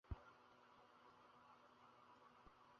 এ সব দেশে অতি অল্প লোকেরই নিজের স্বাভাবিক দাঁত আর টাকের ছড়াছড়ি।